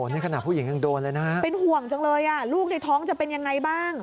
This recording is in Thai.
นี่ขณะผู้หญิงยังโดนเลยนะฮะเป็นห่วงจังเลยอ่ะลูกในท้องจะเป็นยังไงบ้าง